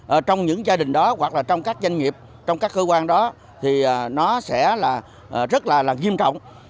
ở trong những gia đình đó hoặc là trong các doanh nghiệp trong các cơ quan đó thì nó sẽ là rất là nghiêm trọng